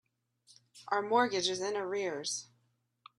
Our mortgage is in arrears.